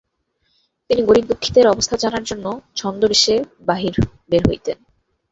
তিনি গরিব দুঃখীদের অবস্থা জানার জন্য ছন্দবেশে বাহিরে বের হতেন।